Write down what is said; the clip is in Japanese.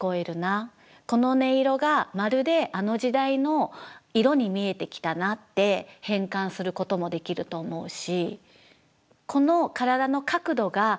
この音色がまるであの時代の色に見えてきたなって変換することもできると思うし。